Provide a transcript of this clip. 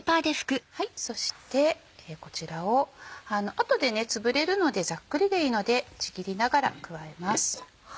そしてこちらをあとでつぶれるのでザックリでいいのでちぎりながら加えます。